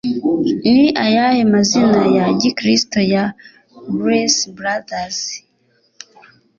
Ni ayahe mazina ya gikristo ya “Blues Brothers”?